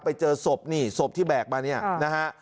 ไปเจอศพนี่ศพที่แบกมาเนี่ยนะฮะ